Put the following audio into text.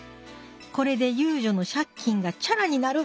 これで遊女の借金がチャラになる！